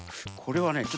これはね